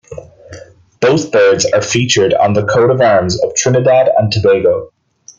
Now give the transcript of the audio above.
Both birds are featured on the coat of arms of Trinidad and Tobago.